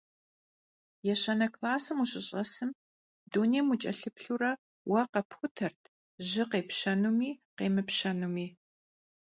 Yêşane klassım vuşış'esım, dunêym vuç'elhıplhure, vue khepxutert jı khêpşemi khêmıpşemi.